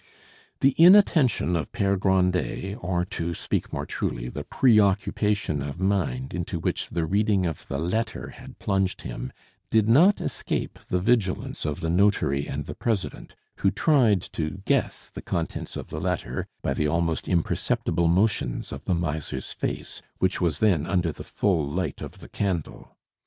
The inattention of Pere Grandet, or, to speak more truly, the preoccupation of mind into which the reading of the letter had plunged him, did not escape the vigilance of the notary and the president, who tried to guess the contents of the letter by the almost imperceptible motions of the miser's face, which was then under the full light of the candle.